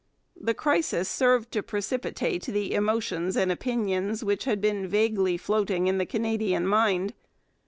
The crisis served to precipitate the emotions and opinions which had been vaguely floating in the Canadian mind.